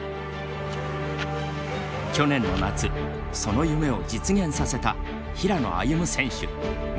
去年の夏その夢を実現させた平野歩夢選手